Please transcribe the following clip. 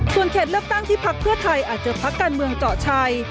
ส่วนเขตเลือกตั้งที่พักเพื่อไทยอาจจะพักการเมืองเจาะชัย